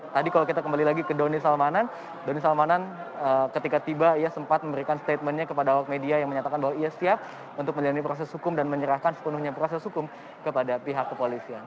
tadi kalau kita kembali lagi ke doni salmanan doni salmanan ketika tiba ia sempat memberikan statementnya kepada awak media yang menyatakan bahwa ia siap untuk menjalani proses hukum dan menyerahkan sepenuhnya proses hukum kepada pihak kepolisian